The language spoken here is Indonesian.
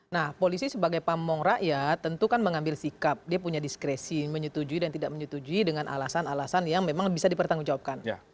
nah polisi sebagai pamong rakyat tentu kan mengambil sikap dia punya diskresi menyetujui dan tidak menyetujui dengan alasan alasan yang memang bisa dipertanggungjawabkan